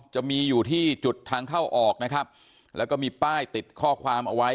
จะมีอยู่ที่จุดทางเข้าออกนะครับแล้วก็มีป้ายติดข้อความเอาไว้